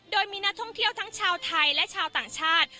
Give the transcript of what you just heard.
โดยมีนักท่องเที่ยวทั้งชาวไทยและชาวต่างชาติ